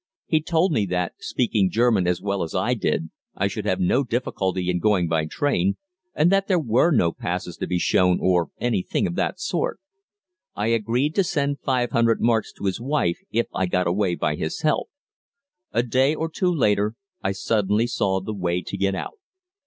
He told me that, speaking German as well as I did, I should have no difficulty in going by train, and that there were no passes to be shown or anything of that sort. I agreed to send 500 marks to his wife if I got away by his help. A day or two later I suddenly saw the way to get out.